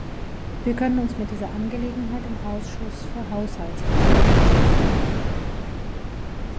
Wir können uns mit dieser Angelegenheit im Ausschuss für Haushaltskontrolle beschäftigen.